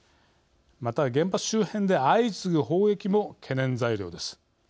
また、原発周辺で相次ぐ砲撃も懸念材料です。